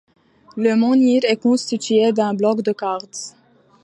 Le menhir est constitué d'un bloc de quartz.